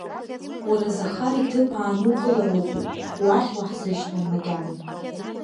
Уара Захар иҭыԥ аанукылароуп, уахь уаҳзышьҭуам, макьана.